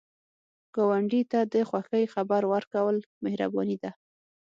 ګاونډي ته د خوښۍ خبر ورکول مهرباني ده